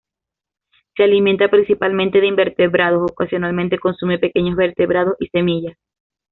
Se alimenta principalmente de invertebrados, ocasionalmente consume pequeños vertebrados y semillas.